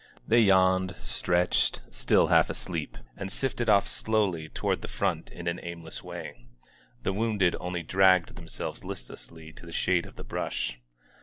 They yawned, stretched, still half asleep, and sifted off slowly toward the front in an aimless way. ... The wounded only dragged themselves listlessly to the shade of the brush.